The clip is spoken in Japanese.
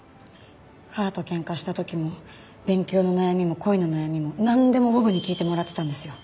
母と喧嘩した時も勉強の悩みも恋の悩みもなんでもボブに聞いてもらってたんですよ。